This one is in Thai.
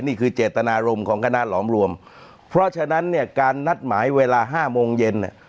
นี่คือเจตนารมณ์ของคณะหลอมรวมเพราะฉะนั้นการนัดหมายเวลา๕โมงเย็น